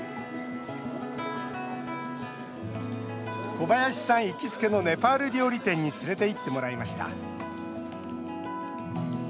小林さん行きつけのネパール料理店に連れていってもらいました。